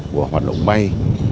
của hoạt động bay